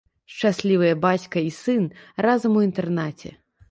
Шчаслівыя бацька і сын разам у інтэрнаце.